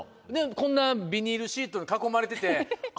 こんなビニールシートで囲まれてて。